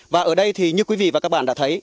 và ở đây thì như quý vị và các bạn đã thấy